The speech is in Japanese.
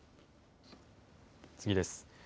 次です。